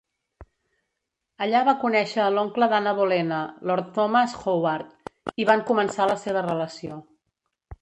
Allà va conèixer a l'oncle d'Ana Bolena, Lord Thomas Howard, i van començar la seva relació.